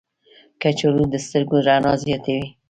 کچالو د سترګو رڼا زیاتوي.